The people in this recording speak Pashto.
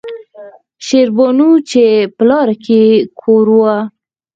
شېربانو چې پۀ لاره کښې يې کور وۀ